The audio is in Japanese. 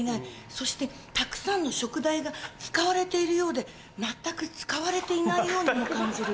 そしてたくさんの食材が使われているようで全く使われていないようにも感じる。